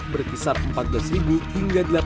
berkisar rp empat belas hingga rp delapan